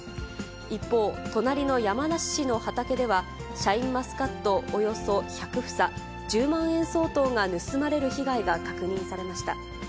一方、隣の山梨市の畑では、シャインマスカットおよそ１００房１０万円相当が盗まれる被害が確認されました。